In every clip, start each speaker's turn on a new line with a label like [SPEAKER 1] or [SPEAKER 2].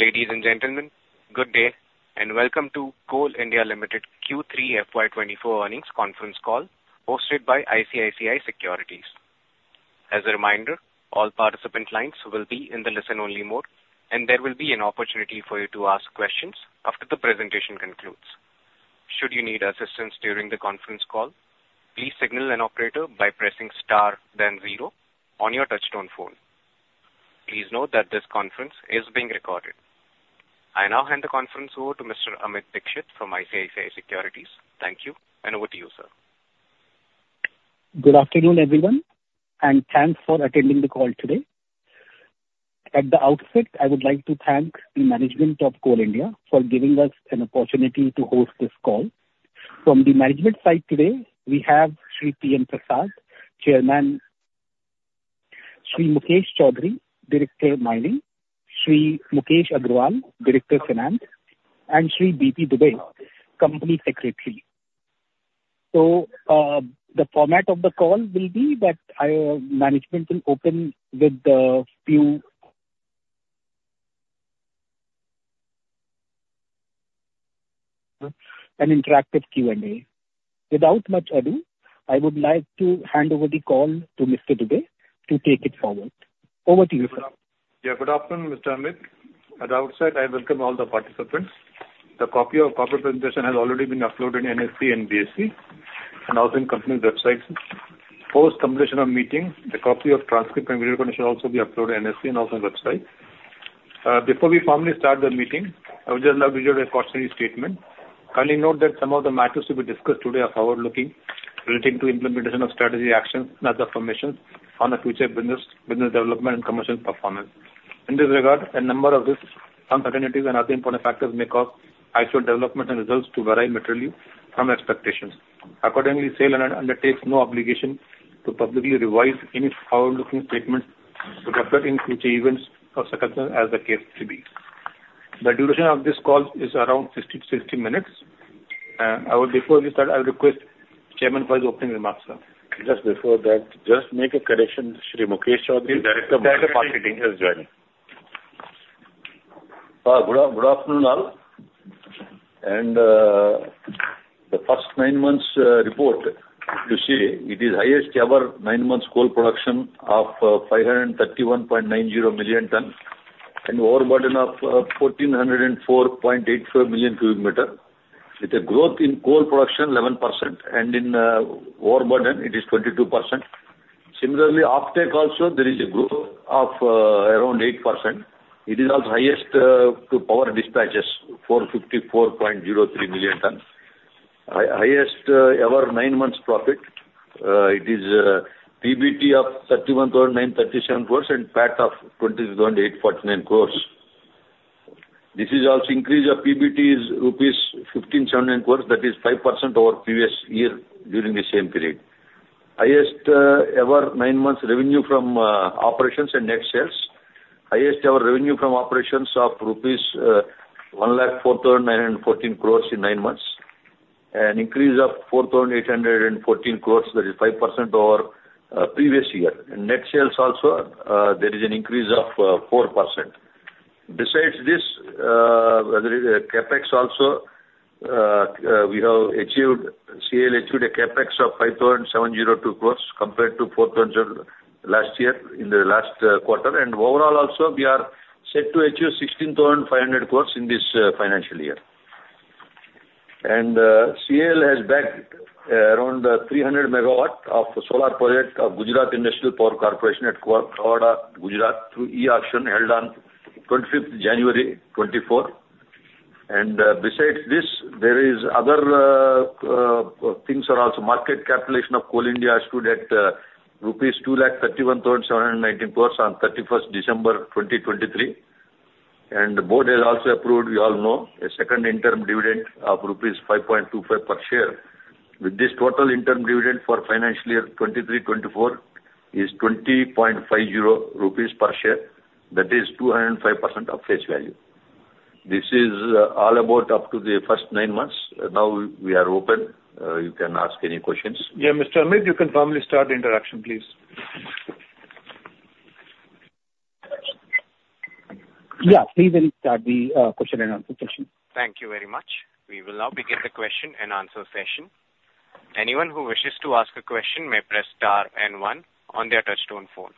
[SPEAKER 1] Ladies and gentlemen, good day and welcome to Coal India Limited Q3 FY24 earnings conference call hosted by ICICI Securities. As a reminder, all participant lines will be in the listen-only mode and there will be an opportunity for you to ask questions after the presentation concludes. Should you need assistance during the conference call, please signal an operator by pressing star then zero on your touch-tone phone. Please note that this conference is being recorded. I now hand the conference over to Mr. Amit Dixit from ICICI Securities. Thank you and over to you, sir.
[SPEAKER 2] Good afternoon, everyone, and thanks for attending the call today. At the outset, I would like to thank the management of Coal India for giving us an opportunity to host this call. From the management side today, we have Shri P.M.Prasad, Chairman, Sri Mukesh Choudhary, Director Mining, Sri Mukesh Agrawal, Director Finance, and Shri Dubey, Company Secretary. The format of the call will be that management will open with a few an interactive Q&A. Without much I do, I would like to hand over the call to Mr. Dubey to take it forward. Over to you, sir.
[SPEAKER 3] Yeah, good afternoon, Mr. Amit. At the outset, I welcome all the participants. The copy of the corporate presentation has already been uploaded in NSE and BSE and also in company's websites. Post completion of meeting, the copy of transcript and video recording also be uploaded in NSE and also websites. Before we formally start the meeting, I would just love to hear a cautionary statement. Kindly note that some of the matters to be discussed today are forward-looking relating to implementation of strategic actions and other information on the future business development and commercial performance. In this regard, a number of these uncertainties and other important factors may cause actual development and results to vary materially from expectations. Accordingly, CIL undertakes no obligation to publicly revise any forward-looking statements to reflect in future events or circumstances as the case to be. The duration of this call is around 50-60 minutes. Before we start, I would request Chairman for his opening remarks, sir.
[SPEAKER 4] Just before that, just make a correction, Shri Mukesh Choudhary, Director of Marketing, is joining. Good afternoon all. And the first nine months report, you see, it is highest ever nine months coal production of 531.90 million tons and overburden of 1,404.85 million cubic meters, with a growth in coal production 11% and in overburden it is 22%. Similarly, offtake also there is a growth of around 8%. It is also highest to power dispatches, 454.03 million tons. Highest ever nine months profit, it is PBT of 31,937 crore and PAT of 23,849 crore. This is also increase of PBT is rupees 1,579 crore, that is 5% over previous year during the same period. Highest ever nine months revenue from operations and net sales, highest ever revenue from operations of rupees 104,914 crore in nine months and increase of 4,814 crore, that is 5% over previous year. Net sales also, there is an increase of 4%. Besides this, CAPEX also, we have achieved CIL achieved a CAPEX of 5,702 crore compared to 4,000 crore last year in the last quarter. Overall also, we are set to achieve 16,500 crore in this financial year. And CIL has bagged around 300 MW of solar project of Gujarat Industries Power Company Limited at Khavda, Gujarat through e-auction held on 25th January 2024. Besides this, there are other things also. Market capitalization of Coal India stood at rupees 231,719 crore on 31st December 2023. And the board has also approved, we all know, a second interim dividend of rupees 5.25 per share. With this total interim dividend for financial year 2023-24 is 20.50 rupees per share, that is 205% of face value. This is all about up to the first nine months. Now we are open. You can ask any questions.
[SPEAKER 3] Yeah, Mr. Amit, you can formally start the interaction, please.
[SPEAKER 2] Yeah, please then start the question and answer session.
[SPEAKER 1] Thank you very much. We will now begin the question and answer session. Anyone who wishes to ask a question may press star and one on their touch-tone phone.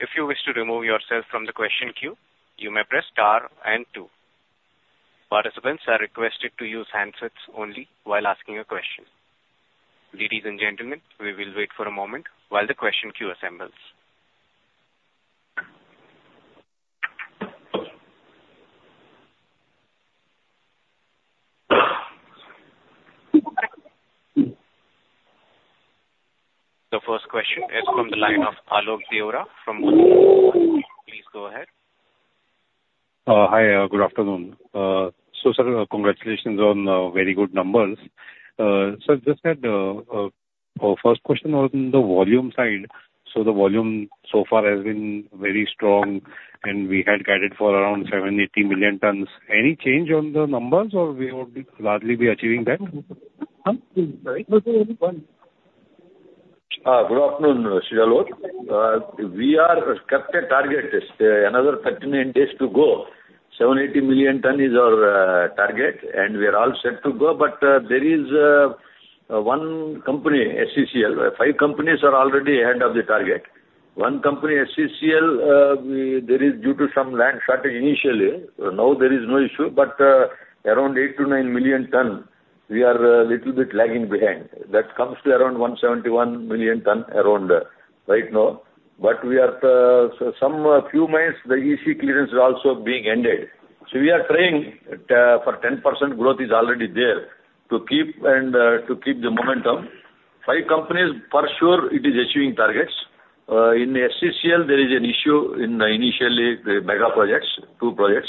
[SPEAKER 1] If you wish to remove yourself from the question queue, you may press star and two. Participants are requested to use handsets only while asking a question. Ladies and gentlemen, we will wait for a moment while the question queue assembles. The first question is from the line of Alok Deora from. Please go ahead.
[SPEAKER 5] Hi, good afternoon. So sir, congratulations on very good numbers. So I just had a first question on the volume side. So the volume so far has been very strong and we had guided for around 780 million tons. Any change on the numbers or we would largely be achieving that?
[SPEAKER 4] Good afternoon, Sri Alok. We are kept at target. Another 39 days to go. 780 million tons is our target and we are all set to go. But there is one company, SCCL. Five companies are already ahead of the target. One company, SCCL, there is due to some land shortage initially. Now there is no issue, but around 8-9 million tons, we are a little bit lagging behind. That comes to around 171 million tons around right now. But some few months, the EC clearance is also being ended. So we are trying for 10% growth is already there to keep and to keep the momentum. Five companies for sure it is achieving targets. In SCCL, there is an issue in initially the mega projects, two projects.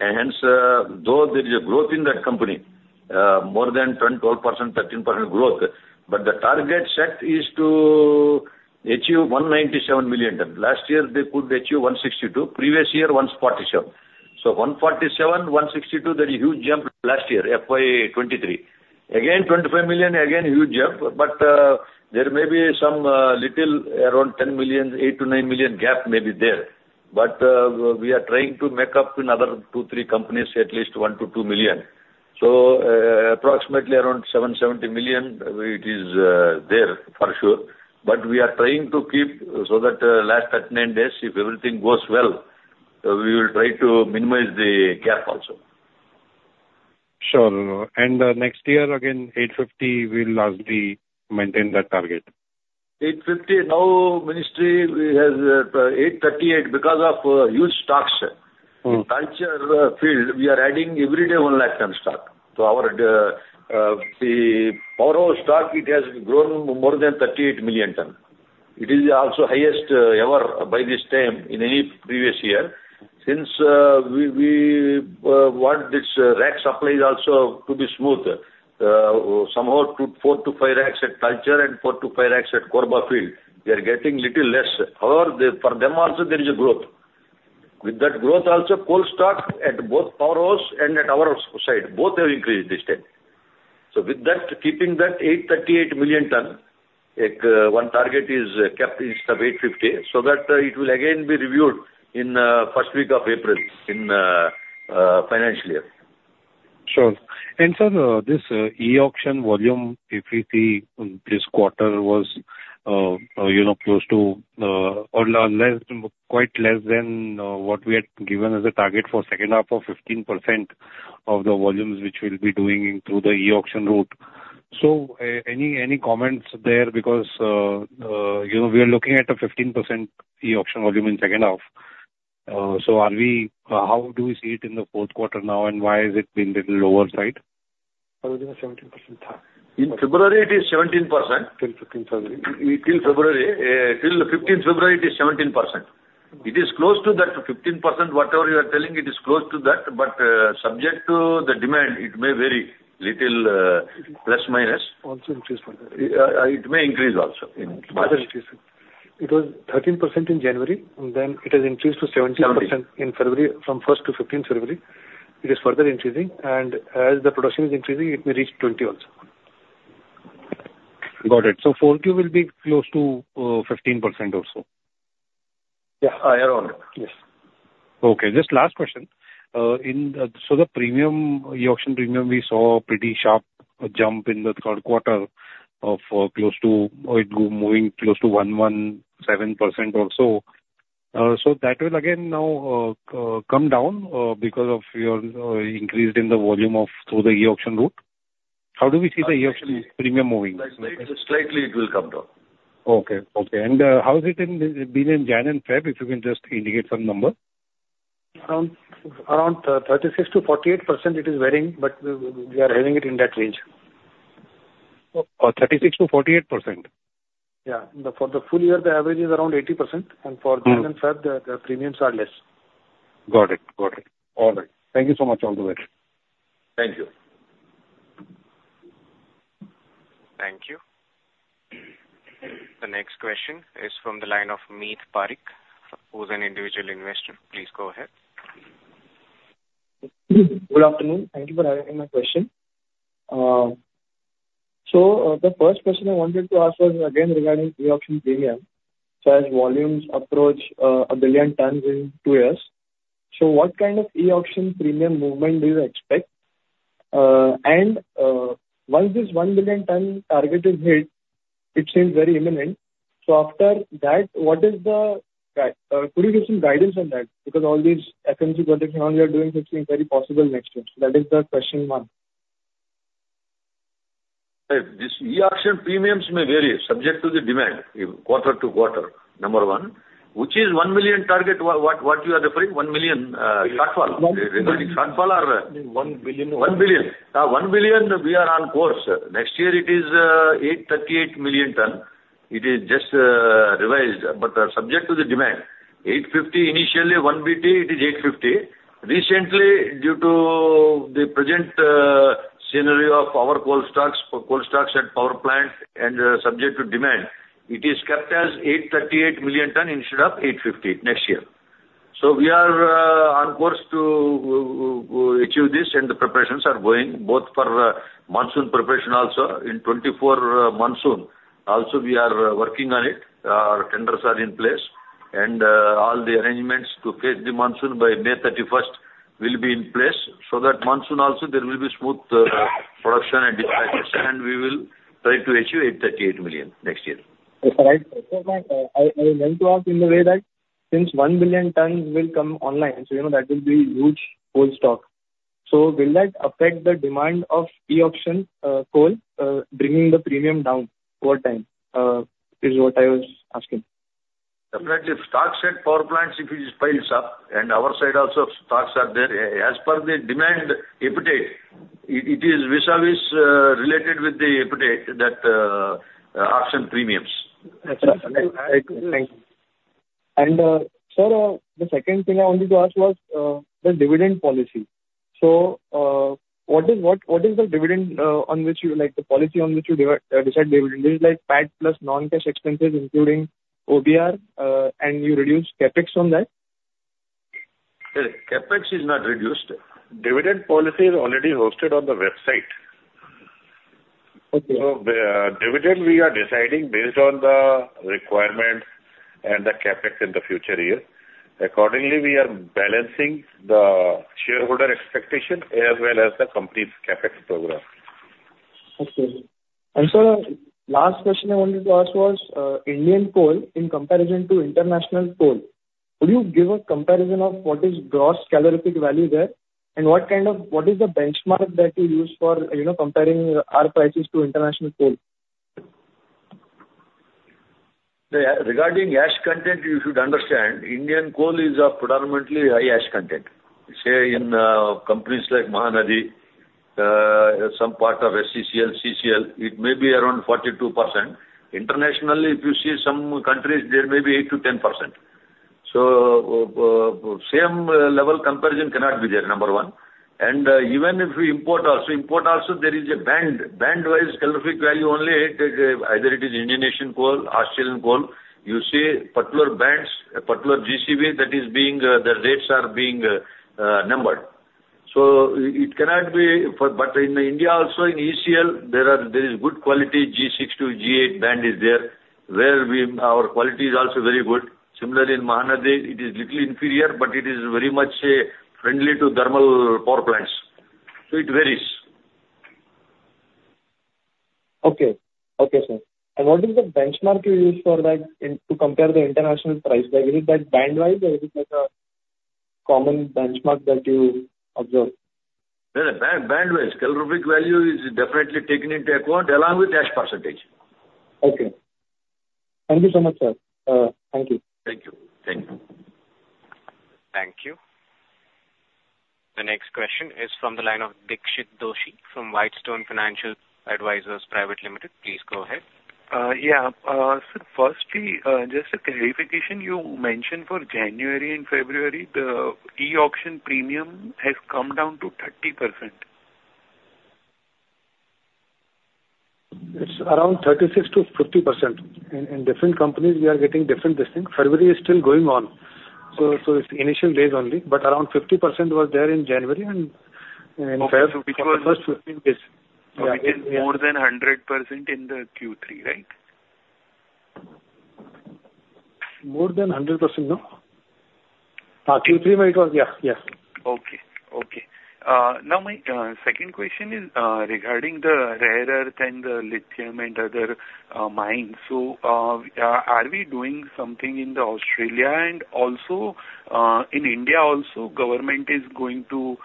[SPEAKER 4] Hence, though there is a growth in that company, more than 10%-13% growth, but the target set is to achieve 197 million tons. Last year they could achieve 162, previous year 147. So 147, 162, that is a huge jump last year, FY23. Again, 25 million, again huge jump. But there may be some little around 10 million, 8-9 million gap may be there. But we are trying to make up in other two, three companies at least one to two million. So approximately around 770 million it is there for sure. But we are trying to keep so that last 39 days, if everything goes well, we will try to minimize the gap also.
[SPEAKER 5] Sure, sure, sure. Next year again, 850, we'll largely maintain that target.
[SPEAKER 4] 850, now ministry has 838 because of huge stocks. In Talcher field, we are adding every day 1,000,000 tons stock. So our powerhouse stock, it has grown more than 38 million tons. It is also highest ever by this time in any previous year since we want this rack supplies also to be smooth. Somehow 4-5 racks at Talcher and 4-5 racks at Korba, we are getting little less. However, for them also there is a growth. With that growth also, coal stock at both powerhouse and at our side, both have increased this time. So with that, keeping that 838 million tons, one target is kept instead of 850 so that it will again be reviewed in first week of April in financial year.
[SPEAKER 5] Sure. And sir, this e-auction volume, if we see this quarter was close to or quite less than what we had given as a target for second half of 15% of the volumes which we'll be doing through the e-auction route. So any comments there because we are looking at a 15% e-auction volume in second half. So how do we see it in the fourth quarter now and why has it been a little oversight?
[SPEAKER 4] In February, it is 17%.
[SPEAKER 5] Till 15th February.
[SPEAKER 4] Till 15th February, it is 17%. It is close to that 15%, whatever you are telling, it is close to that, but subject to the demand, it may vary little plus minus.
[SPEAKER 5] Also increase further.
[SPEAKER 4] It may increase also in.
[SPEAKER 5] Further increase. It was 13% in January and then it has increased to 17% in February from 1st to 15th February. It is further increasing. And as the production is increasing, it may reach 20% also. Got it. So 4Q will be close to 15% also?
[SPEAKER 4] Yeah, around.
[SPEAKER 6] Yes. Okay. Just last question. So the premium, e-auction premium, we saw a pretty sharp jump in the third quarter of close to it moving close to 117% also. So that will again now come down because of your increase in the volume through the e-auction route? How do we see the e-auction premium moving?
[SPEAKER 4] Slightly it will come down.
[SPEAKER 5] Okay, okay. How has it been in January and February, if you can just indicate some number?
[SPEAKER 4] Around 36%-48% it is varying, but we are having it in that range.
[SPEAKER 5] 36%-48%?
[SPEAKER 4] Yeah. For the full year, the average is around 80%. For January and February, the premiums are less.
[SPEAKER 5] Got it, got it. All right. Thank you so much all the way.
[SPEAKER 4] Thank you.
[SPEAKER 1] Thank you. The next question is from the line of Meet Parikh, who's an individual investor. Please go ahead.
[SPEAKER 7] Good afternoon. Thank you for having my question. So the first question I wanted to ask was again regarding e-auction premium. So as volumes approach 1 billion tons in 2 years, so what kind of e-auction premium movement do you expect? And once this 1 billion ton target is hit, it seems very imminent. So after that, what is the could you give some guidance on that? Because all these FMC projects you are doing seem very possible next year. So that is the question one.
[SPEAKER 4] This E-Auction premiums may vary subject to the demand quarter to quarter, number one. Which is 1 million target what you are referring? 1 million shortfall regarding shortfall or?
[SPEAKER 7] 1 billion.
[SPEAKER 4] One billion. One billion, we are on course. Next year, it is 838 million tons. It is just revised, but subject to the demand. 850 initially, 1 BT, it is 850. Recently, due to the present scenario of our coal stocks at power plants and subject to demand, it is kept as 838 million tons instead of 850 next year. So we are on course to achieve this and the preparations are going both for monsoon preparation also in 2024 monsoon. Also, we are working on it. Our tenders are in place and all the arrangements to face the monsoon by May 31st will be in place so that monsoon also there will be smooth production and dispatches. We will try to achieve 838 million next year.
[SPEAKER 7] Is that right? I meant to ask in the way that since 1 billion tons will come online, so that will be huge coal stock. So will that affect the demand of e-auction coal, bringing the premium down over time is what I was asking?
[SPEAKER 4] Definitely. Stocks at power plants, if it piles up and our side also stocks are there, as per the demand appetite, it is vis-à-vis related with the appetite that auction premiums.
[SPEAKER 7] Exactly. Thank you. And sir, the second thing I wanted to ask was the dividend policy. So what is the dividend on which you the policy on which you decide dividend? This is like PAT plus non-cash expenses including OBR, and you reduce CAPEX on that?
[SPEAKER 4] CAPEX is not reduced. Dividend policy is already hosted on the website. So dividend, we are deciding based on the requirement and the CAPEX in the future year. Accordingly, we are balancing the shareholder expectation as well as the company's CAPEX program.
[SPEAKER 7] Okay. And sir, last question I wanted to ask was Indian coal in comparison to international coal. Could you give a comparison of what is gross calorific value there and what kind of what is the benchmark that you use for comparing our prices to international coal?
[SPEAKER 4] Regarding ash content, you should understand Indian coal is of predominantly high ash content. Say in companies like Mahanadi, some part of SCCL, CCL, it may be around 42%. Internationally, if you see some countries, there may be 8%-10%. So same level comparison cannot be there, number one. And even if you import also, import also, there is a band. Band-wise calorific value only, either it is Indian nation coal, Australian coal, you see particular bands, particular GCV that is being the rates are being numbered. So it cannot be but in India also, in ECL, there is good quality. G6 to G8 band is there where our quality is also very good. Similarly, in Mahanadi, it is little inferior, but it is very much friendly to thermal power plants. So it varies.
[SPEAKER 7] Okay, okay, sir. And what is the benchmark you use for that to compare the international price? Is it that band-wise or is it like a common benchmark that you observe?
[SPEAKER 4] Band-wise. Calorific value is definitely taken into account along with ash percentage.
[SPEAKER 7] Okay. Thank you so much, sir. Thank you.
[SPEAKER 4] Thank you. Thank you.
[SPEAKER 1] Thank you. The next question is from the line of Dixit Doshi from Whitestone Financial Advisors Pvt Ltd. Please go ahead.
[SPEAKER 8] Yeah. Sir, firstly, just a clarification. You mentioned for January and February, the e-auction premium has come down to 30% It's around 36%-50%. In different companies, we are getting different this thing. February is still going on. So it's initial days only, but around 50% was there in January and in February for the first 15 days. So it is more than 100% in the Q3, right?
[SPEAKER 4] More than 100%, no. Q3, it was yeah, yes.
[SPEAKER 8] Okay, okay. Now my second question is regarding the rare earth and lithium and other mines. So are we doing something in Australia and also in India also, government is going to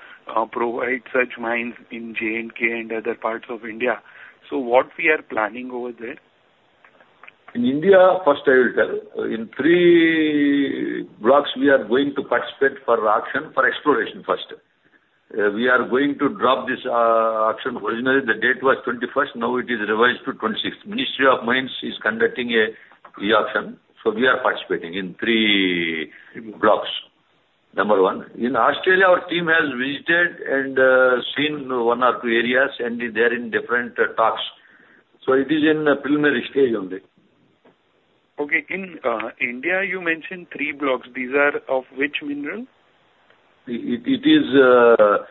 [SPEAKER 8] provide such mines in J&K and other parts of India? So what we are planning over there?
[SPEAKER 4] In India, first I will tell. In three blocks, we are going to participate for auction for exploration first. We are going to do this auction originally. The date was 21st. Now it is revised to 26th. Ministry of Mines is conducting an e-auction. So we are participating in three blocks, number one. In Australia, our team has visited and seen one or two areas and is there in different talks. So it is in the preliminary stage only.
[SPEAKER 8] Okay. In India, you mentioned three blocks. These are of which mineral?
[SPEAKER 4] It is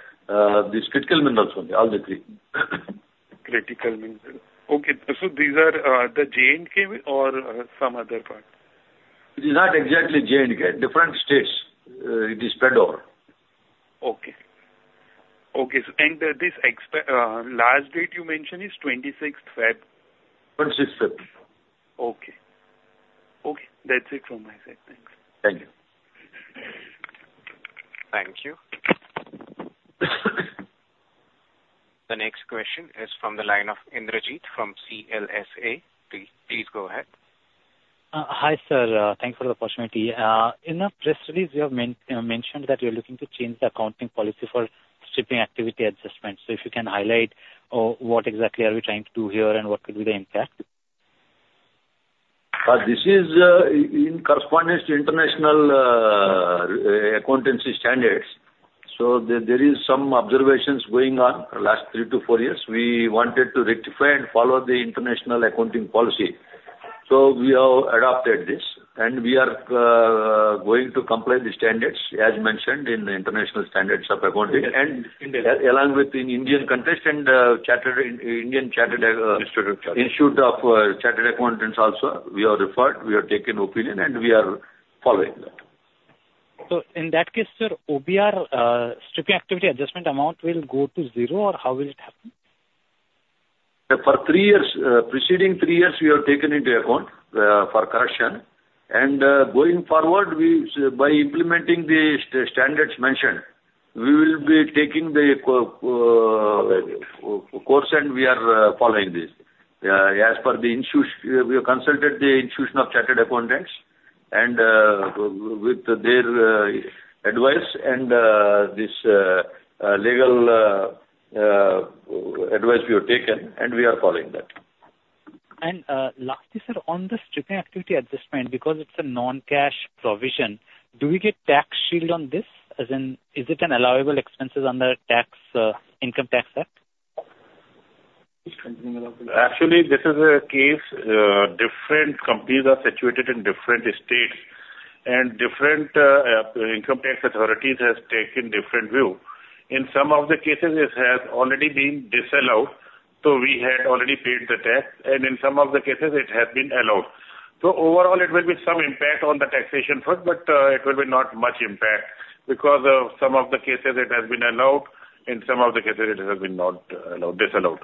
[SPEAKER 4] these critical minerals only, all the three.
[SPEAKER 8] Critical mineral. Okay. So these are the JNK or some other part?
[SPEAKER 4] It is not exactly JNK. Different states it is spread over.
[SPEAKER 8] Okay, okay. And this last date you mentioned is 26th February?
[SPEAKER 4] 26th Feb.
[SPEAKER 8] Okay, okay. That's it from my side. Thanks.
[SPEAKER 4] Thank you.
[SPEAKER 1] Thank you. The next question is from the line of Indrajit from CLSA. Please go ahead.
[SPEAKER 9] Hi, sir. Thanks for the opportunity. In a press release, you have mentioned that you're looking to change the accounting policy for shipping activity adjustments. So if you can highlight what exactly are we trying to do here and what could be the impact?
[SPEAKER 4] This is in correspondence to international accountancy standards. There are some observations going on last 3-4 years. We wanted to rectify and follow the international accounting policy. We have adopted this and we are going to comply with the standards as mentioned in the international standards of accounting along with the Indian context and Institute of Chartered Accountants of India also. We are referred, we are taking opinion, and we are following that.
[SPEAKER 9] In that case, sir, OBR, shipping activity adjustment amount will go to zero or how will it happen?
[SPEAKER 4] For three years, preceding three years, we have taken into account for correction. Going forward, by implementing the standards mentioned, we will be taking the course and we are following this. As per the Ind AS, we have consulted the Institute of Chartered Accountants and with their advice and this legal advice we have taken, and we are following that.
[SPEAKER 9] Lastly, sir, on the shipping activity adjustment, because it's a non-cash provision, do we get tax shield on this? Is it an allowable expense under the Income Tax Act?
[SPEAKER 4] Actually, this is a case. Different companies are situated in different states and different income tax authorities have taken different view. In some of the cases, it has already been disallowed. So we had already paid the tax and in some of the cases, it has been allowed. So overall, it will be some impact on the taxation first, but it will be not much impact because of some of the cases, it has been allowed. In some of the cases, it has been disallowed.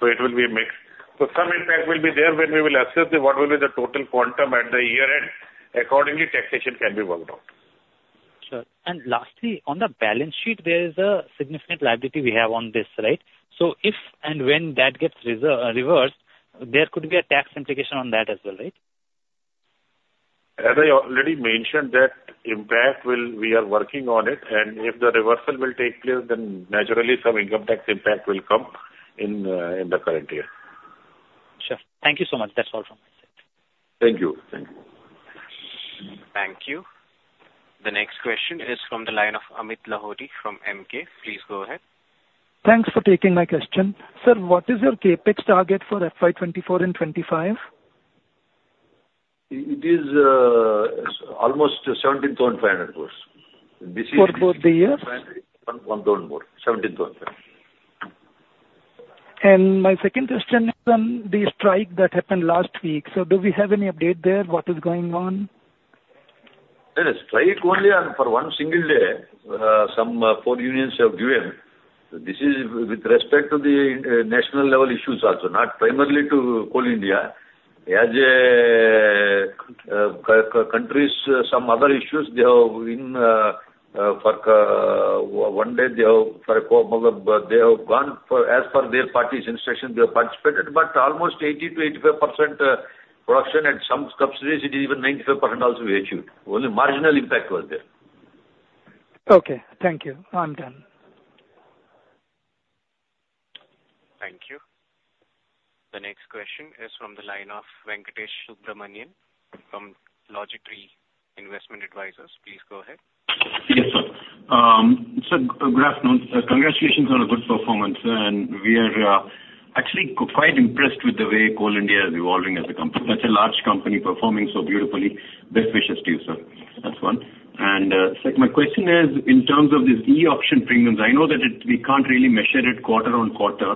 [SPEAKER 4] So it will be a mix. So some impact will be there when we will assess what will be the total quantum at the year-end. Accordingly, taxation can be worked out.
[SPEAKER 9] Sure. And lastly, on the balance sheet, there is a significant liability we have on this, right? So if and when that gets reversed, there could be a tax implication on that as well, right?
[SPEAKER 4] As I already mentioned, that impact, we are working on it. If the reversal will take place, then naturally, some income tax impact will come in the current year.
[SPEAKER 9] Sure. Thank you so much. That's all from my side.
[SPEAKER 4] Thank you. Thank you.
[SPEAKER 1] Thank you. The next question is from the line of Amit Lahoti from Emkay. Please go ahead.
[SPEAKER 10] Thanks for taking my question. Sir, what is your CAPEX target for FY24 and FY25?
[SPEAKER 4] It is almost 17,500 crore. This is.
[SPEAKER 10] For both the years?
[SPEAKER 4] 1,500 crore more, 17,500.
[SPEAKER 10] My second question is on the strike that happened last week. Do we have any update there? What is going on?
[SPEAKER 4] There is strike only for one single day. Some four unions have given. This is with respect to the national level issues also, not primarily to Coal India. As countries, some other issues, they have in for one day, they have for a couple of they have gone as per their party's instruction, they have participated, but almost 80%-85% production at some subsidiaries, it is even 95% also we achieved. Only marginal impact was there.
[SPEAKER 10] Okay. Thank you. I'm done.
[SPEAKER 1] Thank you. The next question is from the line of Venkatesh Subramanian from Logitree Investment Advisors. Please go ahead.
[SPEAKER 11] Yes, sir. Sir, good afternoon. Congratulations on a good performance. We are actually quite impressed with the way Coal India is evolving as a company. That's a large company performing so beautifully. Best wishes to you, sir. That's one. Sir, my question is in terms of these e-auction premiums. I know that we can't really measure it quarter-on-quarter,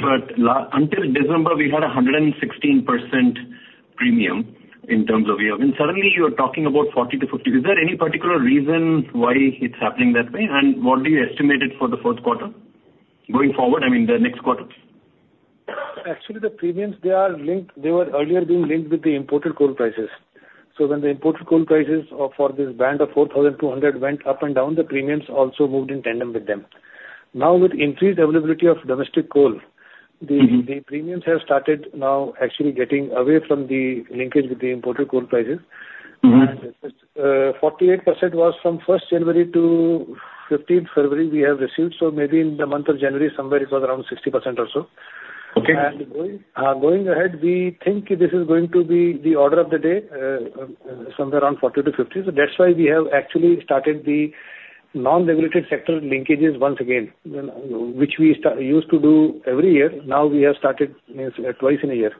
[SPEAKER 11] but until December, we had 116% premium in terms of we have. And suddenly, you are talking about 40%-50%. Is there any particular reason why it's happening that way? And what do you estimate it for the fourth quarter going forward? I mean, the next quarter?
[SPEAKER 12] Actually, the premiums, they are linked. They were earlier being linked with the imported coal prices. So when the imported coal prices for this band of 4,200 went up and down, the premiums also moved in tandem with them. Now, with increased availability of domestic coal, the premiums have started now actually getting away from the linkage with the imported coal prices. 48% was from 1st January to 15th February, we have received. So maybe in the month of January, somewhere it was around 60% or so. Going ahead, we think this is going to be the order of the day somewhere around 40%-50%. So that's why we have actually started the non-regulated sector linkages once again, which we used to do every year. Now, we have started twice in a year.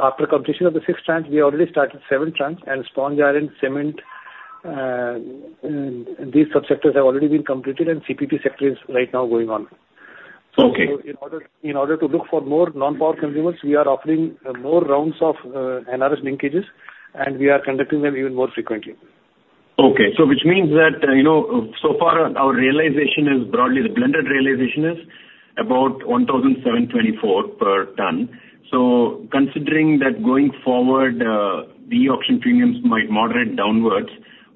[SPEAKER 12] After completion of the six tranches, we already started seven tranches and sponge, iron, cement. These subsectors have already been completed and CPP sector is right now going on. In order to look for more non-power consumers, we are offering more rounds of NRS linkages and we are conducting them even more frequently.
[SPEAKER 11] Okay. So which means that so far, our realization is broadly, the blended realization is about 1,724 per ton. So considering that going forward, the e-auction premiums might moderate downwards,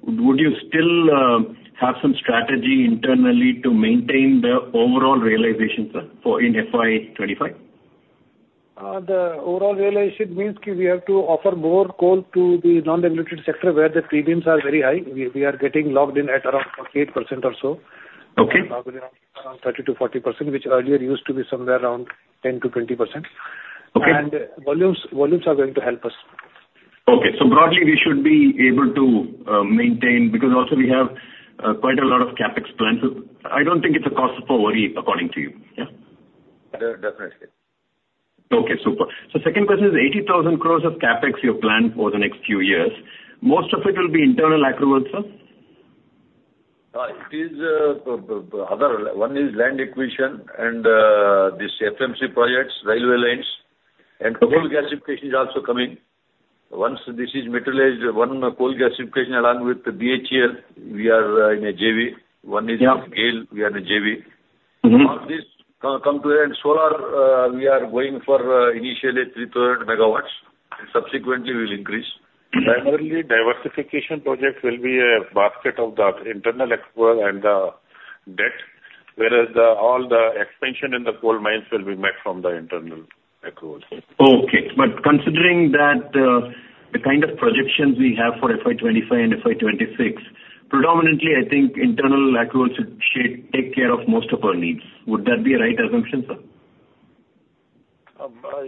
[SPEAKER 11] would you still have some strategy internally to maintain the overall realization, sir, in FY25?
[SPEAKER 12] The overall realization means we have to offer more coal to the non-regulated sector where the premiums are very high. We are getting locked in at around 48% or so, probably around 30%-40%, which earlier used to be somewhere around 10%-20%. Volumes are going to help us.
[SPEAKER 11] Okay. Broadly, we should be able to maintain because also, we have quite a lot of CAPEX planned. I don't think it's a cause for worry according to you, yeah?
[SPEAKER 12] Definitely.
[SPEAKER 11] Okay. Super. So second question is 80,000 crore of CAPEX you have planned for the next few years. Most of it will be internal accrual, sir?
[SPEAKER 12] It is other. One is land acquisition and these FMC projects, railway lines. And coal gasification is also coming. Once this is materialized, one coal gasification along with BHEL, we are in a JV. One is GAIL, we are in a JV. All these come to end. Solar, we are going for initially 3,000 megawatts. Subsequently, we will increase. Primarily, diversification project will be a basket of the internal accrual and the debt, whereas all the expansion in the coal mines will be met from the internal accruals.
[SPEAKER 11] Okay. But considering that the kind of projections we have for FY2025 and FY2026, predominantly, I think internal accrual should take care of most of our needs. Would that be a right assumption, sir?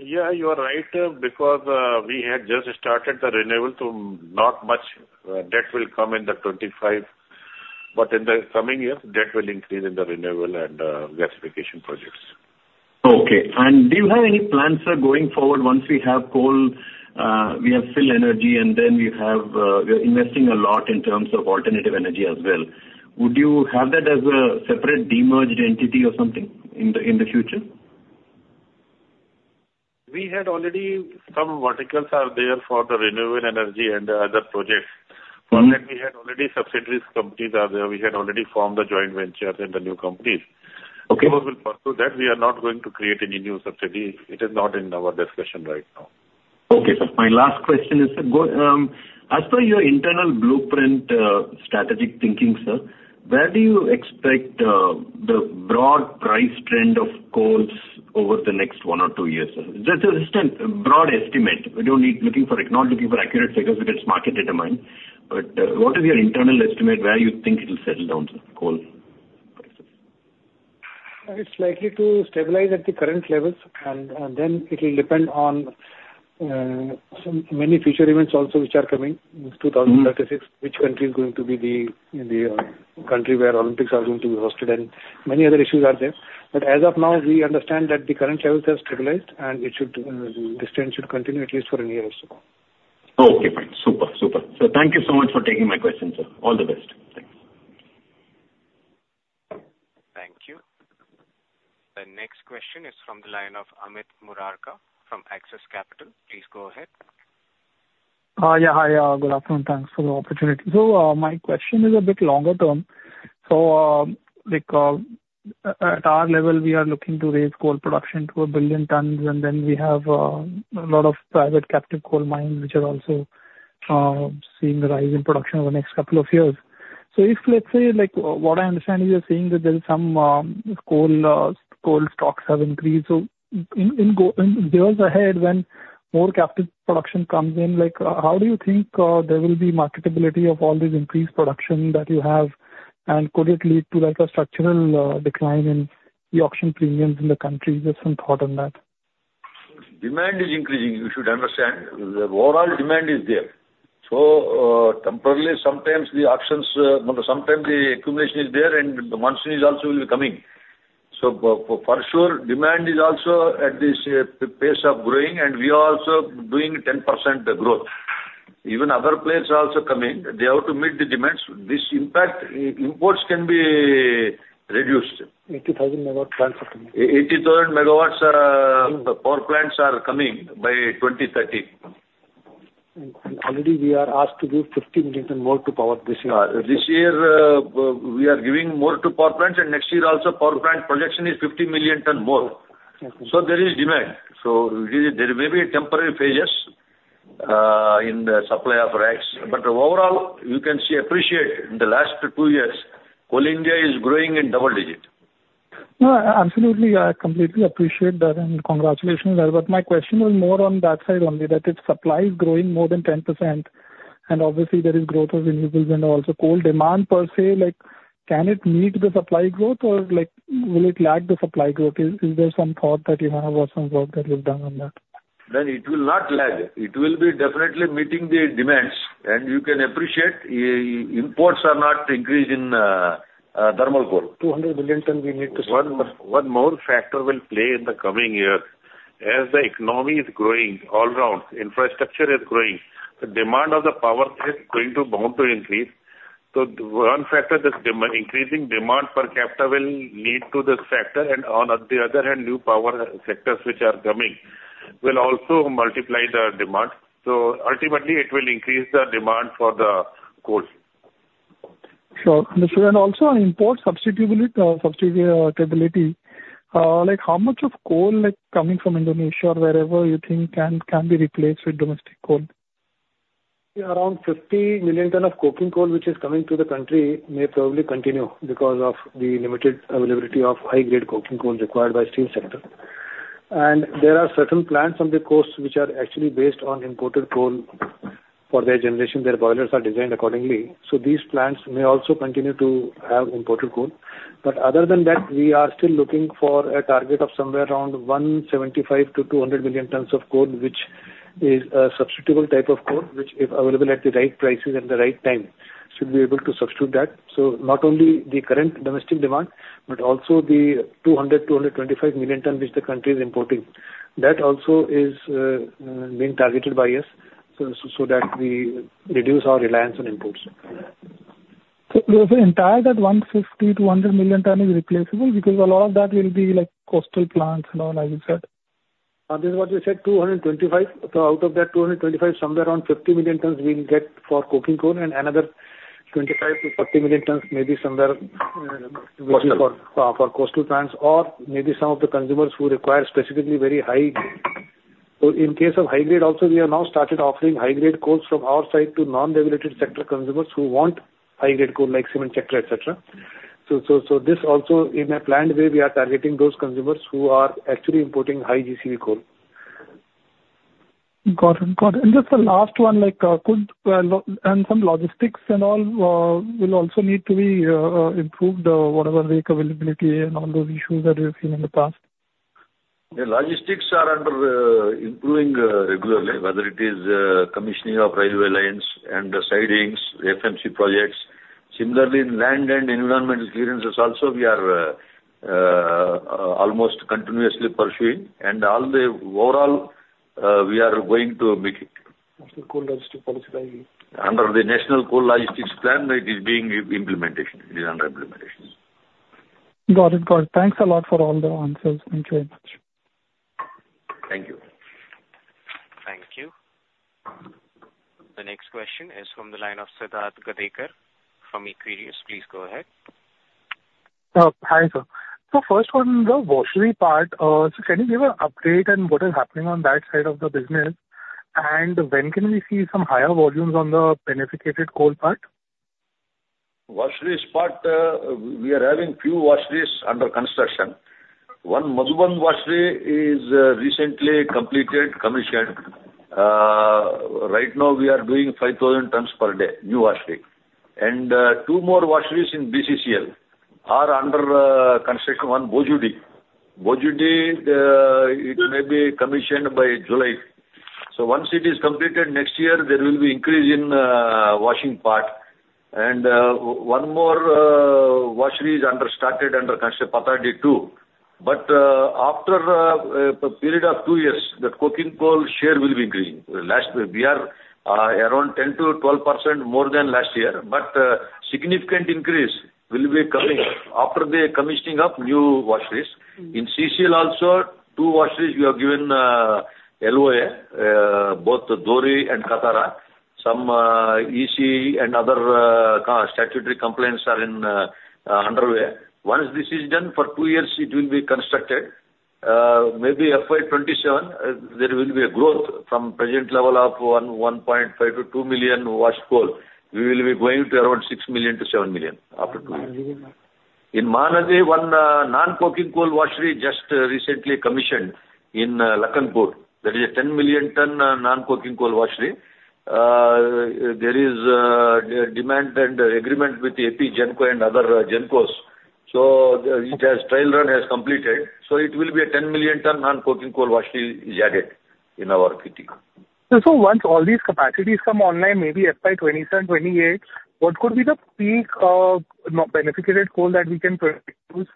[SPEAKER 12] Yeah, you are right because we had just started the renewal. So not much debt will come in the 2025, but in the coming years, debt will increase in the renewal and gasification projects.
[SPEAKER 11] Okay. Do you have any plans, sir, going forward once we have coal, we have fuel energy, and then we have we are investing a lot in terms of alternative energy as well? Would you have that as a separate demerged entity or something in the future?
[SPEAKER 12] We had already some verticals are there for the renewable energy and other projects. For that, we had already subsidiaries companies are there. We had already formed the joint ventures and the new companies. Those will pursue that. We are not going to create any new subsidiary. It is not in our discussion right now.
[SPEAKER 11] Okay, sir. My last question is, sir, as per your internal blueprint strategic thinking, sir, where do you expect the broad price trend of coals over the next one or two years? Just a broad estimate. We don't need looking for not looking for accurate figures because it's market determined. But what is your internal estimate where you think it will settle down, sir, coal prices?
[SPEAKER 12] It's likely to stabilize at the current levels, and then it will depend on many future events also which are coming in 2036, which country is going to be the country where Olympics are going to be hosted and many other issues are there. But as of now, we understand that the current levels have stabilized and this trend should continue at least for a year or so.
[SPEAKER 11] Okay. Fine. Super, super. So thank you so much for taking my question, sir. All the best. Thanks.
[SPEAKER 1] Thank you. The next question is from the line of Amit Murarka from Axis Capital. Please go ahead.
[SPEAKER 13] Yeah. Hi. Good afternoon. Thanks for the opportunity. So my question is a bit longer term. So at our level, we are looking to raise coal production to 1 billion tons, and then we have a lot of private captive coal mines which are also seeing a rise in production over the next couple of years. So if, let's say, what I understand is you're saying that there are some coal stocks have increased. So in years ahead, when more captive production comes in, how do you think there will be marketability of all this increased production that you have? And could it lead to a structural decline in the auction premiums in the countries? Just some thought on that.
[SPEAKER 4] Demand is increasing. You should understand the overall demand is there. So temporarily, sometimes the auctions, sometimes the accumulation is there and the monsoons also will be coming. So for sure, demand is also at this pace of growing, and we are also doing 10% growth. Even other players are also coming. They have to meet the demands. This impact, imports can be reduced.
[SPEAKER 13] 80,000 megawatt plants are coming?
[SPEAKER 4] 80,000 MW power plants are coming by 2030.
[SPEAKER 13] Already, we are asked to give 50 million tons more to power this year.
[SPEAKER 4] This year, we are giving more to power plants, and next year also, power plant projection is 50 million tons more. There is demand. There may be temporary phases in the supply of rakes. But overall, you can see appreciation in the last two years, Coal India is growing in double-digit.
[SPEAKER 13] No, absolutely. I completely appreciate that and congratulations there. But my question was more on that side only, that if supply is growing more than 10% and obviously, there is growth of renewables and also coal demand per se, can it meet the supply growth or will it lag the supply growth? Is there some thought that you have or some work that you've done on that?
[SPEAKER 4] Then it will not lag. It will be definitely meeting the demands. You can appreciate imports are not increased in Thermal Coal.
[SPEAKER 13] 200 million tons, we need to see.
[SPEAKER 4] One more factor will play in the coming year. As the economy is growing all round, infrastructure is growing, the demand of the power is going to bounce to increase. So one factor, this increasing demand per capita will lead to this factor. And on the other hand, new power sectors which are coming will also multiply the demand. So ultimately, it will increase the demand for the coal.
[SPEAKER 13] Sure. Understood. And also on import substitutability, how much of coal coming from Indonesia or wherever you think can be replaced with domestic coal?
[SPEAKER 12] Around 50 million tons of coking coal which is coming to the country may probably continue because of the limited availability of high-grade coking coal required by the steel sector. There are certain plants on the coast which are actually based on imported coal for their generation. Their boilers are designed accordingly. These plants may also continue to have imported coal. Other than that, we are still looking for a target of somewhere around 175-200 million tons of coal which is a substitutable type of coal which, if available at the right prices and the right time, should be able to substitute that. Not only the current domestic demand, but also the 200-225 million tons which the country is importing. That also is being targeted by us so that we reduce our reliance on imports.
[SPEAKER 13] So, entire, that 150-200 million tons is replaceable because a lot of that will be coastal plants and all, as you said?
[SPEAKER 12] This is what you said, 225. So out of that 225, somewhere around 50 million tons we'll get for coking coal and another 25-40 million tons maybe somewhere for coastal plants or maybe some of the consumers who require specifically very high, so in case of high-grade, also, we have now started offering high-grade coals from our side to non-regulated sector consumers who want high-grade coal like cement sector, etc. So this also, in a planned way, we are targeting those consumers who are actually importing high GCV coal.
[SPEAKER 13] Got it. Got it. And just the last one, and some logistics and all will also need to be improved, whatever the availability and all those issues that you've seen in the past?
[SPEAKER 4] Logistics are under improving regularly, whether it is commissioning of railway lines and sidings, FMC projects. Similarly, in land and environmental clearances, also, we are almost continuously pursuing. Overall, we are going to make it.
[SPEAKER 13] National Coal Logistics Policy?
[SPEAKER 4] Under the National Coal Logistics Plan, it is being implemented. It is under implementation.
[SPEAKER 13] Got it. Got it. Thanks a lot for all the answers. Thank you very much.
[SPEAKER 4] Thank you.
[SPEAKER 1] Thank you. The next question is from the line of Siddharth Gadekar from Equirus. Please go ahead.
[SPEAKER 14] Hi, sir. So first one, the washery part, so can you give an update on what is happening on that side of the business? And when can we see some higher volumes on the beneficiated coal part?
[SPEAKER 4] Washeries part, we are having few washeries under construction. One Madhuband washery is recently completed, commissioned. Right now, we are doing 5,000 tons per day, new washery. And two more washeries in BCCL are under construction. One Bhojudih. Bhojudih, it may be commissioned by July. So once it is completed next year, there will be increase in washing part. And one more washery is under started under construction, Patherdih II. But after a period of two years, the coking coal share will be increasing. We are around 10%-12% more than last year, but significant increase will be coming after the commissioning of new washeries. In CCL also, two washeries we have given LOA, both Dhori and Kathara. Some ECE and other statutory compliance are underway. Once this is done, for two years, it will be constructed. Maybe FY27, there will be a growth from present level of 1.5-2 million washed coal. We will be going to around 6-7 million after 2 years. In Mahanadi, 1 non-coking coal washery just recently commissioned in Lakhanpur. There is a 10 million ton non-coking coal washery. There is demand and agreement with AP Genco and other Gencos. So its trial run has completed. So a 10 million ton non-coking coal washery will be added to our kitty.
[SPEAKER 14] Once all these capacities come online, maybe FY2027, 2028, what could be the peak beneficiated coal that we can produce,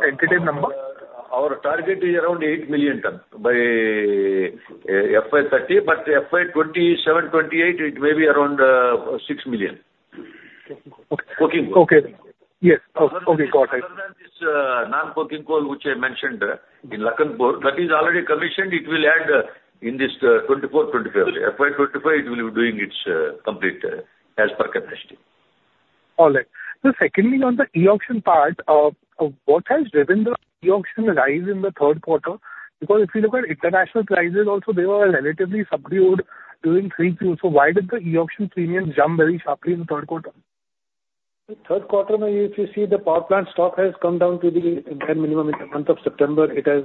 [SPEAKER 14] tentative number?
[SPEAKER 4] Our target is around 8 million tons by FY2030, but FY2027, FY2028, it may be around 6 million.
[SPEAKER 14] Okay.
[SPEAKER 4] Coking coal.
[SPEAKER 14] Okay. Yes. Okay. Got it.
[SPEAKER 4] Other than this non-coking coal which I mentioned in Lakhanpur, that is already commissioned. It will add in this 2024, 2025. FY 2025, it will be doing its complete as per capacity.
[SPEAKER 14] All right. So secondly, on the e-auction part, what has driven the e-auction rise in the third quarter? Because if you look at international prices also, they were relatively subdued during 3Q. So why did the e-auction premium jump very sharply in the third quarter?
[SPEAKER 4] Third quarter, if you see the power plant stock has come down to the minimum in the month of September, it has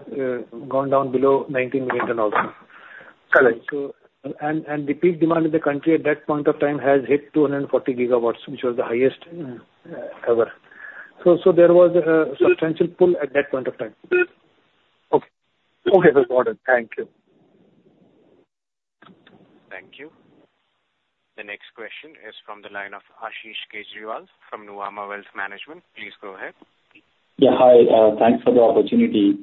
[SPEAKER 4] gone down below 19 million tons also. And the peak demand in the country at that point of time has hit 240 GW, which was the highest ever. So there was a substantial pull at that point of time.
[SPEAKER 14] Okay. Okay. Got it. Thank you.
[SPEAKER 1] Thank you. The next question is from the line of Ashish Kejriwal from Nuvama Wealth Management. Please go ahead.
[SPEAKER 7] Yeah. Hi. Thanks for the opportunity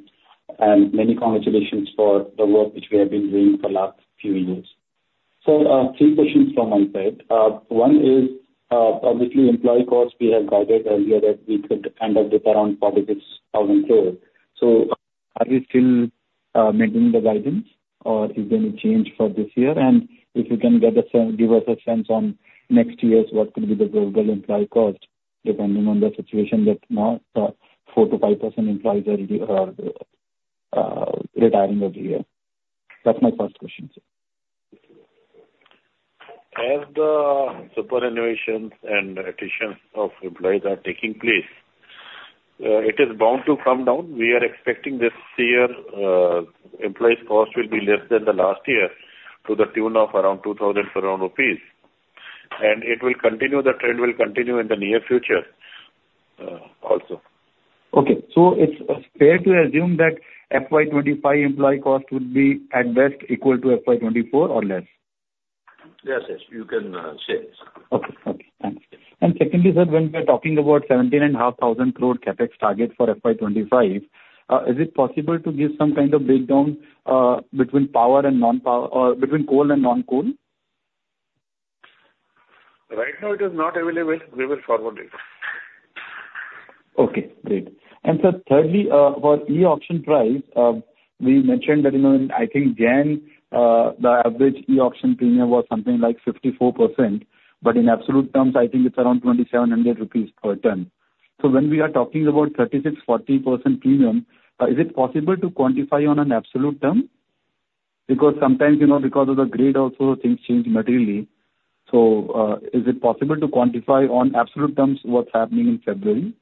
[SPEAKER 7] and many congratulations for the work which we have been doing for the last few years. 3 questions from my side. 1 is, obviously, employee costs, we have guided earlier that we could end up with around 46,000 crore. Are we still maintaining the guidance or is there any change for this year? And if you can give us a sense on next year's what could be the total employee cost depending on the situation that now 4%-5% employees are retiring every year. That's my first question, sir.
[SPEAKER 4] As the superannuations and additions of employees are taking place, it is bound to come down. We are expecting this year, employees' cost will be less than the last year to the tune of around 2,000 crore rupees. The trend will continue in the near future also.
[SPEAKER 7] Okay. So it's fair to assume that FY25 employee cost would be at best equal to FY24 or less?
[SPEAKER 4] Yes, yes. You can say this.
[SPEAKER 7] Okay. Okay. Thanks. Secondly, sir, when we are talking about 17,500 crore CAPEX target for FY2025, is it possible to give some kind of breakdown between coal and non-coal?
[SPEAKER 4] Right now, it is not available. We will forward it.
[SPEAKER 7] Okay. Great. And sir, thirdly, for e-auction price, we mentioned that I think January, the average e-auction premium was something like 54%, but in absolute terms, I think it's around 2,700 rupees per ton. So when we are talking about 36%-40% premium, is it possible to quantify on an absolute term? Because sometimes, because of the grade also, things change materially. So is it possible to quantify on absolute terms what's happening in February?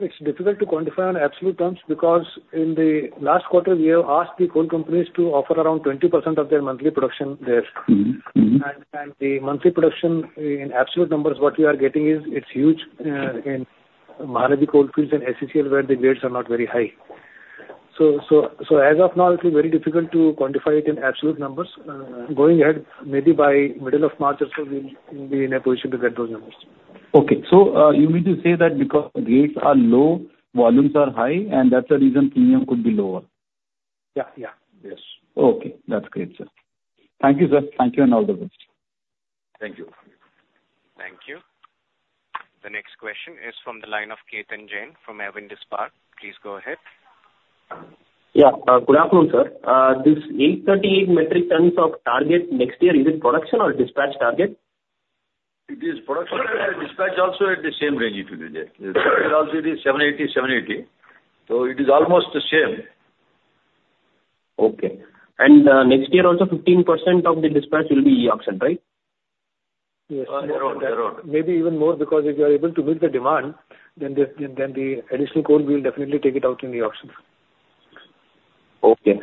[SPEAKER 12] It's difficult to quantify on absolute terms because in the last quarter, we have asked the coal companies to offer around 20% of their monthly production there. The monthly production in absolute numbers, what we are getting is it's huge in Mahanadi Coalfields and SCCL where the grades are not very high. As of now, it's very difficult to quantify it in absolute numbers. Going ahead, maybe by middle of March or so, we'll be in a position to get those numbers.
[SPEAKER 7] Okay. So you mean to say that because grades are low, volumes are high, and that's the reason premium could be lower?
[SPEAKER 12] Yeah. Yeah. Yes.
[SPEAKER 7] Okay. That's great, sir. Thank you, sir. Thank you and all the best.
[SPEAKER 4] Thank you.
[SPEAKER 1] Thank you. The next question is from the line of Ketan Jain from Avendus Spark. Please go ahead.
[SPEAKER 15] Yeah. Good afternoon, sir. This 838 metric tons of target next year, is it production or dispatch target?
[SPEAKER 4] It is production. Dispatch also at the same range it will be. Dispatch also, it is 780, 780. So it is almost the same.
[SPEAKER 15] Okay. Next year also, 15% of the dispatch will be e-auction, right?
[SPEAKER 12] Yes. They're on. They're on. Maybe even more because if you are able to meet the demand, then the additional coal will definitely take it out in the auction.
[SPEAKER 15] Okay.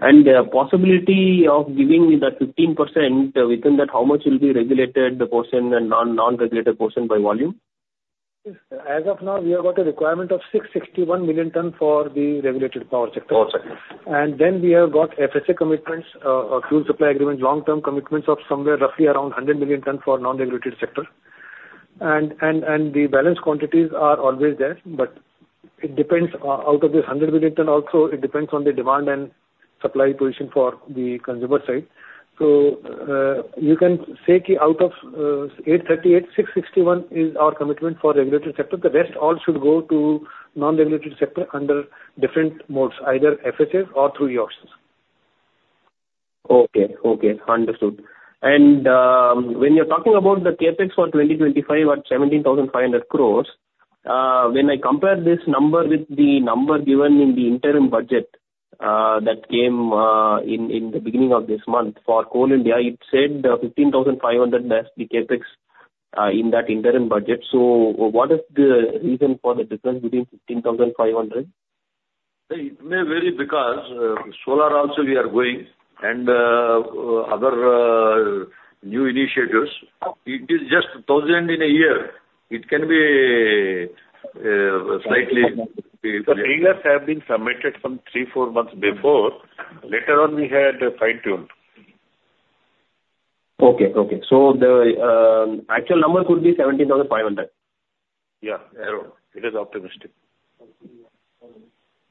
[SPEAKER 15] And the possibility of giving that 15% within that, how much will be regulated the portion and non-regulated portion by volume?
[SPEAKER 12] As of now, we have got a requirement of 661 million tons for the regulated power sector. Then we have got FSA commitments, fuel supply agreements, long-term commitments of somewhere roughly around 100 million tons for non-regulated sector. The balanced quantities are always there, but out of this 100 million ton also, it depends on the demand and supply position for the consumer side. You can say that out of 838, 661 is our commitment for regulated sector. The rest all should go to non-regulated sector under different modes, either FSAs or through e-auctions.
[SPEAKER 15] Okay. Okay. Understood. And when you're talking about the CAPEX for 2025 at 17,500 crore, when I compare this number with the number given in the interim budget that came in the beginning of this month for Coal India, it said 15,500 crore as the CAPEX in that interim budget. So what is the reason for the difference between 15,500?
[SPEAKER 4] It may vary because solar also we are going and other new initiatives. It is just 1,000 in a year. It can be slightly. The payments have been submitted from 3-4 months before. Later on, we had fine-tuned.
[SPEAKER 15] Okay. Okay. So the actual number could be 17,500?
[SPEAKER 4] Yeah. Around. It is optimistic.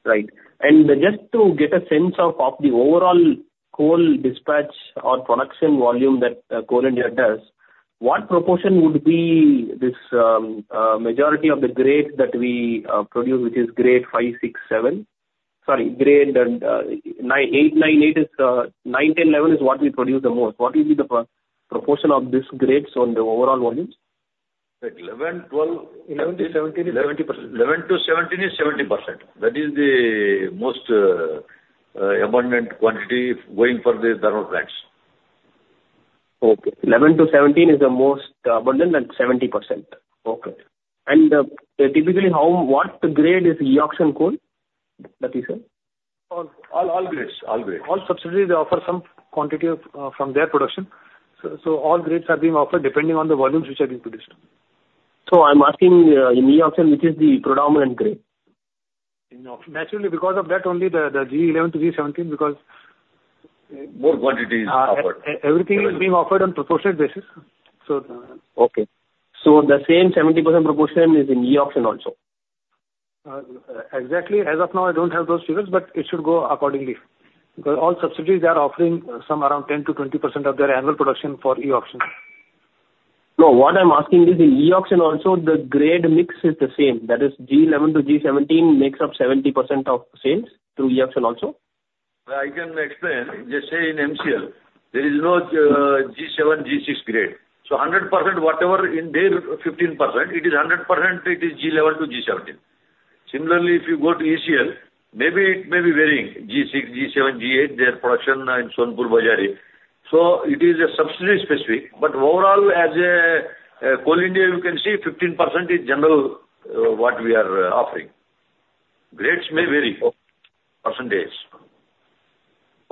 [SPEAKER 15] Right. And just to get a sense of the overall coal dispatch or production volume that Coal India does, what proportion would be this majority of the grade that we produce, which is grade 5, 6, 7? Sorry, grade 8, 9, 8 is 9, 10, 11 is what we produce the most. What will be the proportion of these grades on the overall volume?
[SPEAKER 4] 11, 12, 11-17 is 70%. 11-17 is 70%. That is the most abundant quantity going for the thermal plants.
[SPEAKER 15] Okay. 11-17 is the most abundant and 70%. Okay. And typically, what grade is e-auction coal that you said?
[SPEAKER 12] All grades. All grades. All subsidiaries offer some quantity from their production. So all grades are being offered depending on the volumes which are being produced.
[SPEAKER 15] I'm asking, in e-auction, which is the predominant grade?
[SPEAKER 12] Naturally, because of that only, the G11 to G17 because more quantity is offered. Everything is being offered on proportionate basis. So.
[SPEAKER 15] Okay. So the same 70% proportion is in e-auction also?
[SPEAKER 12] Exactly. As of now, I don't have those figures, but it should go accordingly because all subsidiaries are offering some around 10%-20% of their annual production for e-auction.
[SPEAKER 7] No, what I'm asking is, in e-auction also, the grade mix is the same. That is, G11 to G17 makes up 70% of sales through e-auction also?
[SPEAKER 12] I can explain. Just say in MCL, there is no G7, G6 grade. So 100% whatever in their 15%, it is 100% it is G11 to G17. Similarly, if you go to ECL, maybe it may be varying, G6, G7, G8, their production in Sonepur Bazari. So it is subsidy-specific. But overall, as Coal India, you can see 15% is general what we are offering. Grades may vary percentages.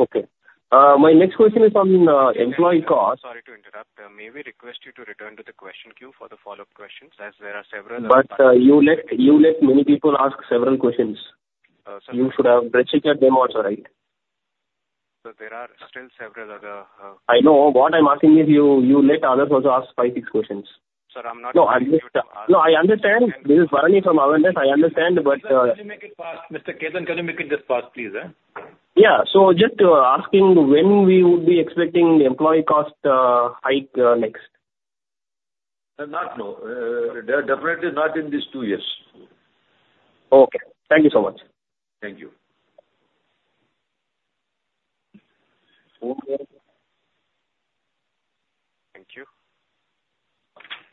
[SPEAKER 15] Okay. My next question is on employee cost.
[SPEAKER 1] Sorry to interrupt. May we request you to return to the question queue for the follow-up questions as there are several other.
[SPEAKER 15] You let many people ask several questions. You should have rechecked them also, right?
[SPEAKER 1] So there are still several other.
[SPEAKER 15] I know. What I'm asking is you let others also ask five, six questions.
[SPEAKER 1] Sir, I'm not.
[SPEAKER 15] No, I understand. This is Varani from Avendus. I understand, but.
[SPEAKER 16] Can you make it fast? Mr. Ketan, can you make it just fast, please?
[SPEAKER 15] Yeah. Just asking when we would be expecting the employee cost hike next?
[SPEAKER 12] Not now. Definitely not in these two years.
[SPEAKER 15] Okay. Thank you so much.
[SPEAKER 12] Thank you.
[SPEAKER 1] Thank you.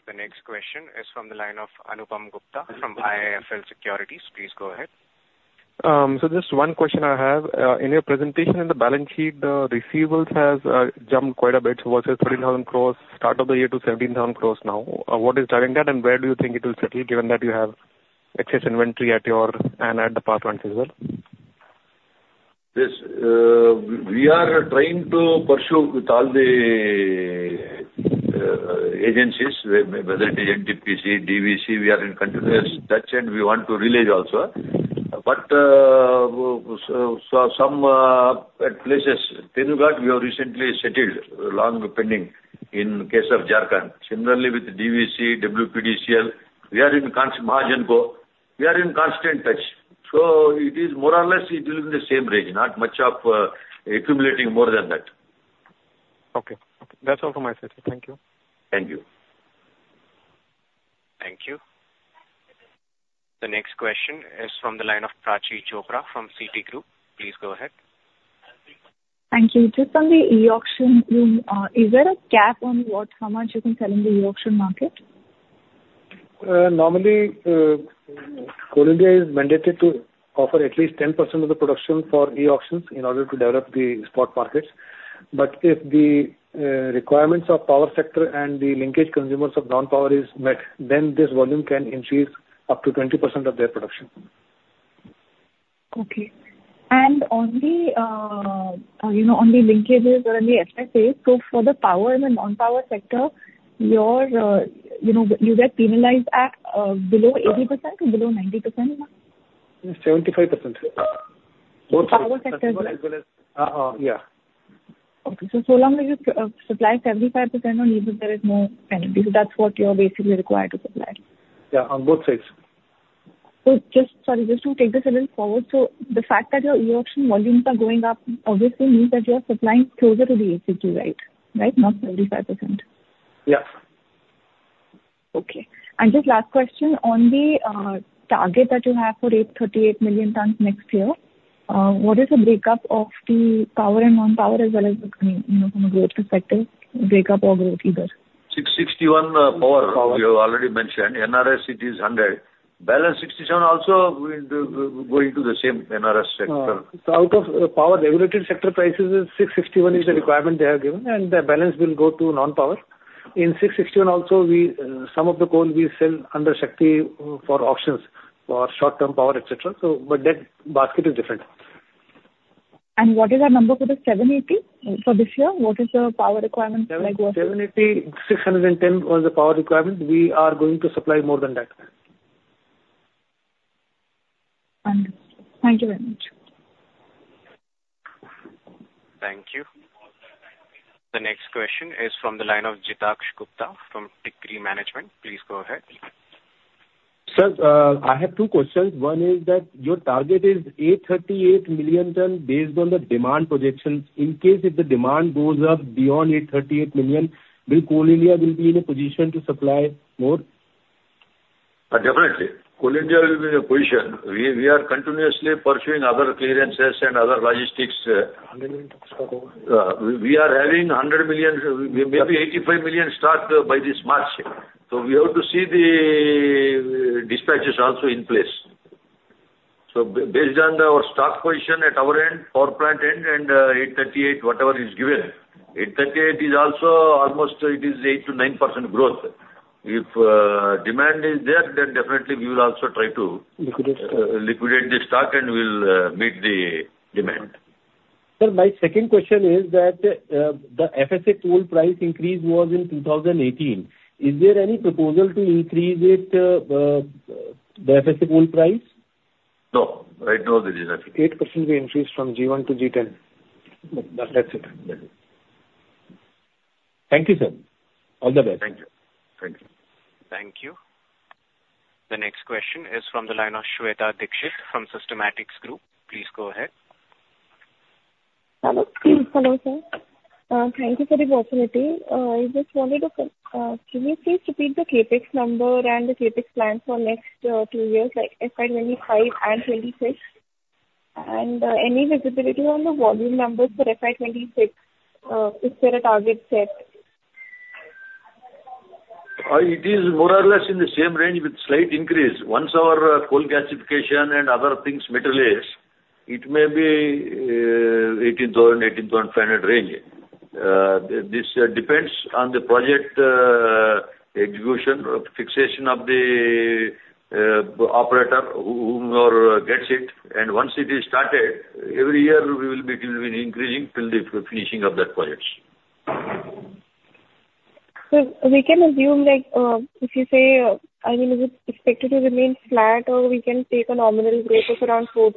[SPEAKER 1] The next question is from the line of Anupam Gupta from IIFL Securities. Please go ahead.
[SPEAKER 17] Just one question I have. In your presentation in the balance sheet, the receivables have jumped quite a bit. What's at 13,000 crore, start of the year to 17,000 crore now. What is driving that and where do you think it will settle given that you have excess inventory at your and at the power plants as well?
[SPEAKER 4] Yes. We are trying to pursue with all the agencies, whether it is NTPC, DVC. We are in continuous touch and we want to relay also. But some places, Tenughat, we have recently settled, long pending in case of Jharkhand. Similarly, with DVC, WBPDCL, we are in Mahagenco. We are in constant touch. So it is more or less it will be in the same range, not much of accumulating more than that.
[SPEAKER 17] Okay. Okay. That's all from my side, sir. Thank you.
[SPEAKER 4] Thank you.
[SPEAKER 1] Thank you. The next question is from the line of Prachi Chopra fromCitigroup. Please go ahead.
[SPEAKER 18] Thank you. Just on the e-auction route, is there a cap on how much you can sell in the e-auction market?
[SPEAKER 12] Normally, Coal India is mandated to offer at least 10% of the production for e-auctions in order to develop the spot markets. But if the requirements of power sector and the linkage consumers of non-power is met, then this volume can increase up to 20% of their production.
[SPEAKER 18] Okay. And on the linkages or on the FSAs, so for the power and the non-power sector, you get penalized at below 80% or below 90%?
[SPEAKER 12] 75%. Both sides.
[SPEAKER 18] On the power sector, sir?
[SPEAKER 12] Yeah.
[SPEAKER 18] Okay. So long as you supply 75% on either, there is no penalty. So that's what you're basically required to supply?
[SPEAKER 12] Yeah. On both sides.
[SPEAKER 18] So sorry, just to take this a little forward. So the fact that your e-auction volumes are going up, obviously, means that you're supplying closer to the ACQ, right? Right? Not 75%?
[SPEAKER 12] Yes.
[SPEAKER 18] Okay. Just last question. On the target that you have for 838 million tons next year, what is the breakup of the power and non-power as well as the, I mean, from a growth perspective, breakup or growth either?
[SPEAKER 4] 661 power, you already mentioned. NRS, it is 100. Balance 67 also going to the same NRS sector.
[SPEAKER 12] Out of power regulated sector prices, 661 is the requirement they have given, and the balance will go to non-power. In 661 also, some of the coal we sell under SHAKTI for auctions for short-term power, etc. But that basket is different.
[SPEAKER 18] What is that number for the 780 for this year? What is the power requirement?
[SPEAKER 12] 780,610 was the power requirement. We are going to supply more than that.
[SPEAKER 18] Understood. Thank you very much.
[SPEAKER 1] Thank you. The next question is from the line of Jitaksh Gupta from Tikri Investments. Please go ahead.
[SPEAKER 19] Sir, I have two questions. One is that your target is 838 million tons based on the demand projections. In case if the demand goes up beyond 838 million, will Coal India be in a position to supply more?
[SPEAKER 4] Definitely. Coal India will be in a position. We are continuously pursuing other clearances and other logistics. We are having 100 million, maybe 85 million stock by this March. So we have to see the dispatches also in place. So based on our stock position at our end, power plant end, and e-auction, whatever is given, e-auction is also almost it is 8%-9% growth. If demand is there, then definitely we will also try to liquidate the stock and we'll meet the demand.
[SPEAKER 19] Sir, my second question is that the FSA coal price increase was in 2018. Is there any proposal to increase the FSA coal price?
[SPEAKER 4] No. Right now, there is nothing.
[SPEAKER 12] 8% we increase from G1 to G10. That's it.
[SPEAKER 19] Thank you, sir. All the best.
[SPEAKER 4] Thank you. Thank you.
[SPEAKER 1] Thank you. The next question is from the line of Shweta Dixit from Systematix Group. Please go ahead.
[SPEAKER 20] Hello. Hello, sir. Thank you for the opportunity. I just wanted to can you please repeat the CapEx number and the CapEx plans for next two years, FY25 and FY26? And any visibility on the volume numbers for FY26? Is there a target set?
[SPEAKER 4] It is more or less in the same range with slight increase. Once our coal gasification and other things materialize, it may be 18,000-18,500 range. This depends on the project execution, fixation of the operator who gets it. Once it is started, every year it will be increasing till the finishing of that project.
[SPEAKER 20] We can assume if you say I mean, is it expected to remain flat or we can take a nominal rate of around 4%-5%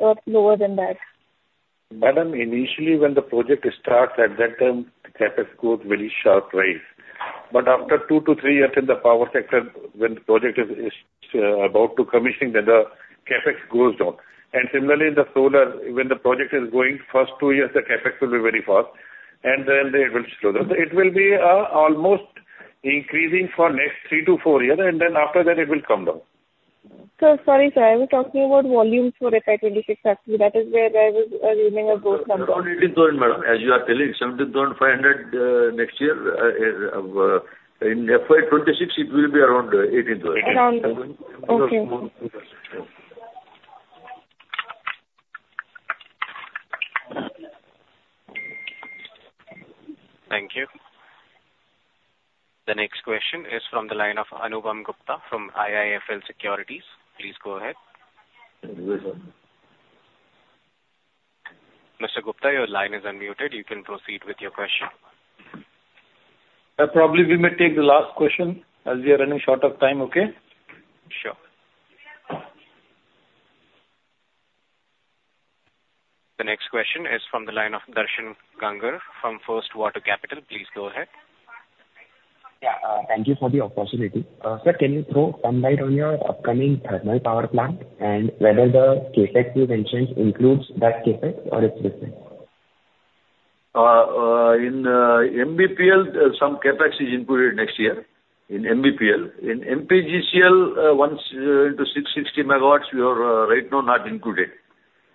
[SPEAKER 20] or lower than that?
[SPEAKER 4] Madam, initially, when the project starts, at that time, the CAPEX goes very sharp rise. After 2-3 years in the power sector, when the project is about to commission, then the CAPEX goes down. Similarly, in the solar, when the project is going, first 2 years, the CAPEX will be very fast, and then it will slow down. It will be almost increasing for next 3-4 years, and then after that, it will come down.
[SPEAKER 20] So sorry, sir. I was talking about volumes for FY26 actually. That is where I was assuming a growth number.
[SPEAKER 4] Around 18,000, madam, as you are telling. 17,500 next year. In FY26, it will be around 18,000.
[SPEAKER 19] Around. Okay.
[SPEAKER 1] Thank you. The next question is from the line of Anupam Gupta from IIFL Securities. Please go ahead.
[SPEAKER 17] Yes, sir.
[SPEAKER 1] Mr. Gupta, your line is unmuted. You can proceed with your question.
[SPEAKER 12] Probably we may take the last question as we are running short of time, okay?
[SPEAKER 1] Sure. The next question is from the line of Darshan Gangar from First Water Capital. Please go ahead.
[SPEAKER 21] Yeah. Thank you for the opportunity. Sir, can you throw some light on your upcoming thermal power plant and whether the CAPEX you mentioned includes that CAPEX or it's different?
[SPEAKER 4] In MBPL, some CAPEX is included next year in MBPL. In MPPGCL, one 660 MW, we are right now not included.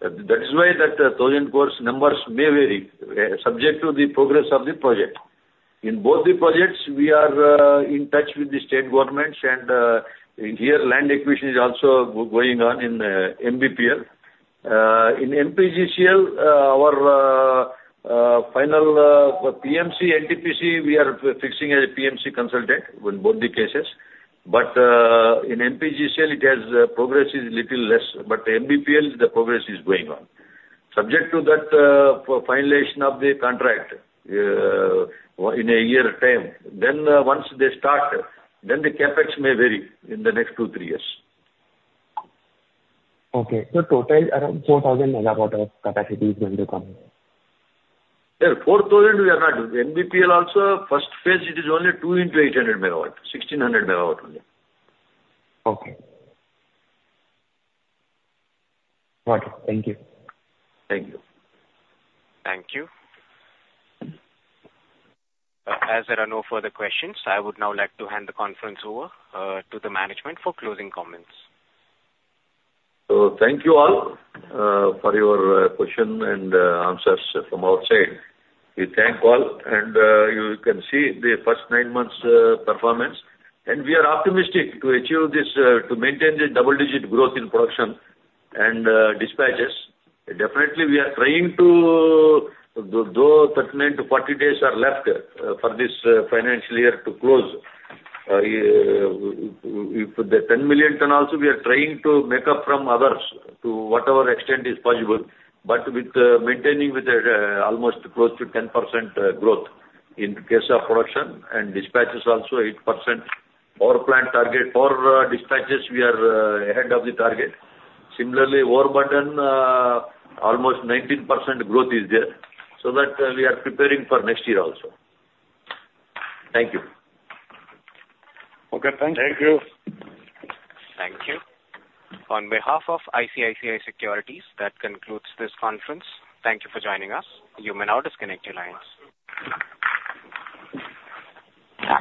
[SPEAKER 4] That is why that 1,000 crore number may vary subject to the progress of the project. In both the projects, we are in touch with the state governments, and here, land acquisition is also going on in MBPL. In MPPGCL, our final PMC, NTPC, we are fixing as a PMC consultant in both the cases. But in MPPGCL, it has progressed a little less. But MBPL, the progress is going on subject to that violation of the contract in a year time. Then once they start, then the CAPEX may vary in the next two-three years.
[SPEAKER 21] Okay. So total around 4,000 megawatt of capacity is going to come?
[SPEAKER 4] Sir, 4,000, we are not. MBPL also, first phase, it is only 2 into 800 MW, 1,600 MW only.
[SPEAKER 21] Okay. Got it. Thank you.
[SPEAKER 4] Thank you.
[SPEAKER 1] Thank you. As there are no further questions, I would now like to hand the conference over to the management for closing comments.
[SPEAKER 4] So thank you all for your questions and answers from our side. We thank all, and you can see the first nine months' performance. We are optimistic to achieve this, to maintain the double-digit growth in production and dispatches. Definitely, we are trying to though 39-40 days are left for this financial year to close, with the 10 million ton also, we are trying to make up from others to whatever extent is possible, but maintaining with almost close to 10% growth in case of production and dispatches also, 8% power plant target. For dispatches, we are ahead of the target. Similarly, overburden, almost 19% growth is there so that we are preparing for next year also. Thank you.
[SPEAKER 12] Okay. Thank you.
[SPEAKER 16] Thank you.
[SPEAKER 1] Thank you. On behalf of ICICI Securities, that concludes this conference. Thank you for joining us. You may now disconnect your lines.